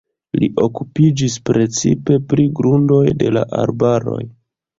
Li okupiĝis precipe pri grundoj de la arbaroj.